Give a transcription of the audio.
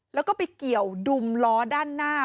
แล้วก็ไปเกี่ยวดุมล้อด้านหน้า